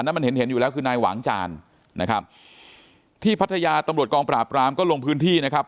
นั้นมันเห็นเห็นอยู่แล้วคือนายหวางจานนะครับที่พัทยาตำรวจกองปราบรามก็ลงพื้นที่นะครับ